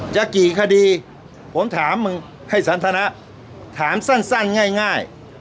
จะกี่คดีผมถามมึงให้สันทนาถามสั้นสั้นง่ายง่าย